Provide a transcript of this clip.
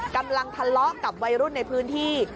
กำลังทะเลาะกับวัยรุ่นในพื้นที่